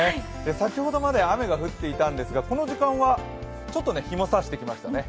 先ほどまで雨が降っていたんですがこの時間はちょっと日もさしてきましたね。